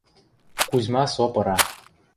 Кузьма со пыра: